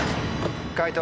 解答